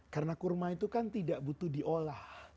karena kurma itu kan tidak butuh diolah